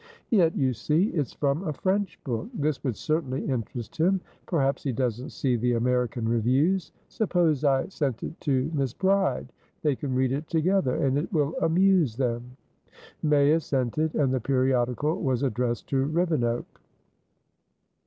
"Yet, you see, it's from a French book. This would certainly interest him. Perhaps he doesn't see the American reviews. Suppose I sent it to Miss Bride? They can read it together, and it will amuse them." May assented, and the periodical was addressed to Rivenoak.